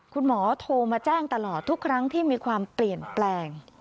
คุณหมอโทรมาแจ้งตลอดทุกครั้งที่มีความเปลี่ยนแปลง